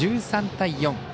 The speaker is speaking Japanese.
１３対４。